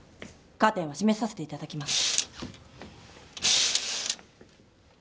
カーテンは閉めさせて頂きます。